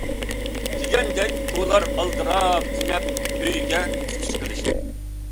دېگەندەك ئۇلار ئالدىراپ تېنەپ ئۆيگە تۇتۇش قىلىشتى.